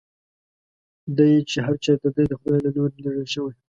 دی چې هر چېرته دی د خدای له لوري لېږل شوی.